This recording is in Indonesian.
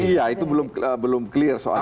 iya itu belum clear soal